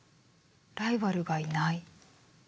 ライバルがいない。